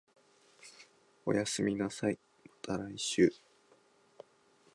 おやすみなさい、また来週